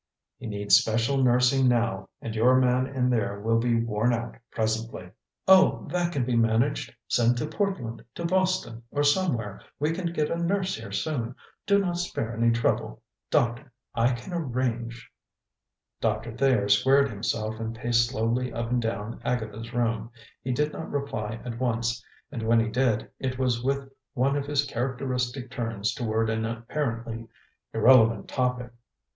"He needs special nursing now, and your man in there will be worn out presently." "Oh, that can be managed. Send to Portland, to Boston, or somewhere. We can get a nurse here soon. Do not spare any trouble. Doctor. I can arrange " Doctor Thayer squared himself and paced slowly up and down Agatha's room. He did not reply at once, and when he did, it was with one of his characteristic turns toward an apparently irrelevant topic.